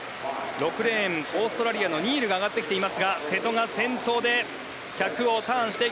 ６レーン、オーストラリアのニールが上がってきていますが瀬戸が先頭で１００をターン。